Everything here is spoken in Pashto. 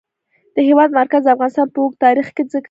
د هېواد مرکز د افغانستان په اوږده تاریخ کې ذکر شوی دی.